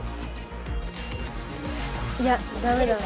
いやダメだな。